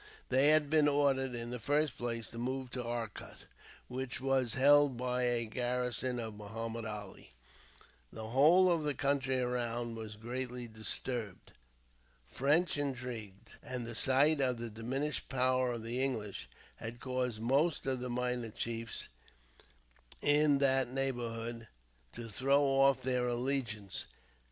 They had been ordered, in the first place, to move to Arcot, which was held by a garrison of Muhammud Ali. The whole of the country around was greatly disturbed. French intrigues, and the sight of the diminished power of the English, had caused most of the minor chiefs in that neighbourhood to throw off their allegiance.